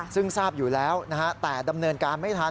ซึ่งทราบอยู่แล้วนะฮะแต่ดำเนินการไม่ทัน